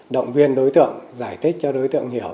động viên đối tượng giải thích cho đối tượng hiểu